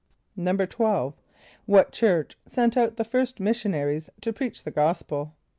= =12.= What church sent out the first missionaries to preach the gospel?